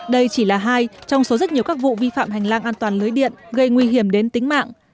đây chỉ là hai trong số rất nhiều các vụ vi phạm hành lang an toàn lưới điện gây nguy hiểm đến tính mạng